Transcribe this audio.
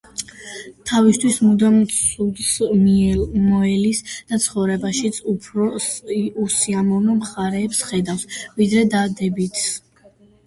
თავისთვის მუდამ ცუდს მოელის და ცხოვრებაშიც უფრო უსიამოვნო მხარეებს ხედავს, ვიდრე დადებითს.